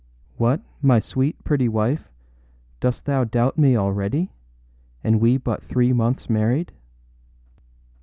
What, my sweet, pretty wife, dost thou doubt me already, and we but three months married?